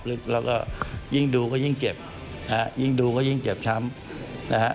เราก็ยิ่งดูก็ยิ่งเจ็บยิ่งดูก็ยิ่งเจ็บช้ำ